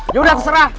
ya udah terserah